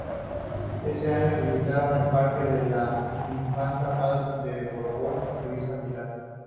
Ese año visitaron el parque la infanta Paz de Borbón y su hija Pilar.